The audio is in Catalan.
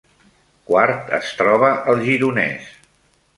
Quart es troba al Gironès